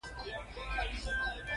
خو موږ نشو کولی.